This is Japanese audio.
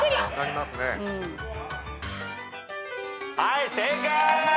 はい正解！